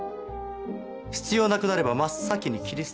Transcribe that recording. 必要なくなれば真っ先に切り捨てられる。